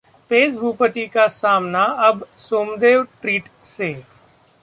पेस-भूपति का सामना अब सोमदेव-ट्रीट से